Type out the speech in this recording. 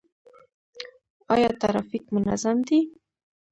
آیا ټرافیک منظم دی؟